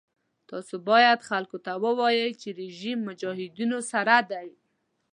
تاسو باید خلکو ته ووایئ چې رژیم مجاهدینو سره دی.